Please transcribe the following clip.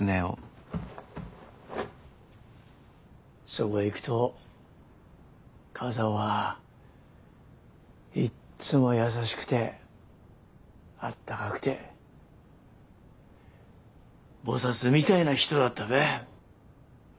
そこへいぐと母さんはいっつも優しぐてあったかぐて菩薩みたいな人だったべ。